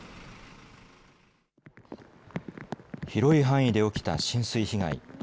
広い範囲で起きた浸水被害。